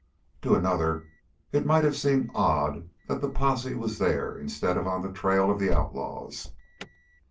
To another it might have seemed odd that the posse was there instead of on the trail of the outlaws.